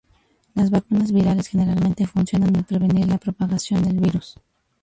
Las vacunas virales generalmente funcionan al prevenir la propagación del virus.